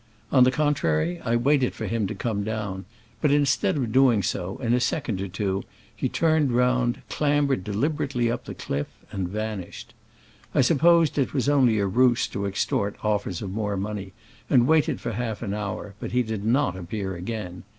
On the contrary, I waited for him to come down, but in stead of doing so, in a second or two he turned round, clambered deliberately up the cliff and vanished. I supposed it was only a ruse to extort offers of more money, and waited for half an hour, but he did not appear again.